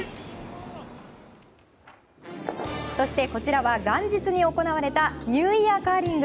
そして、こちらは元旦に行われたニューイヤーカーリング。